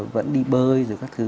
vẫn đi bơi rồi các thứ